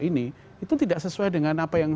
ini itu tidak sesuai dengan apa yang